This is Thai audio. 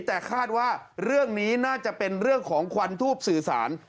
แต่คาดว่าเรื่องนี้น่าจะเป็นเรื่องของควันทูบสื่อสาร